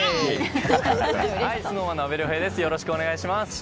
ＳｎｏｗＭａｎの阿部亮平です。